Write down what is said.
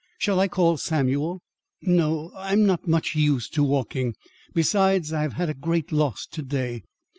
Shall I call Samuel?" "No. I'm not much used to walking. Besides, I have had a great loss to day.